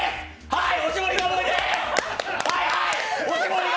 はい！